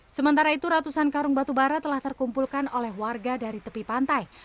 sementara itu ratusan karung batubara telah terkumpulkan oleh warga dari tepi pantai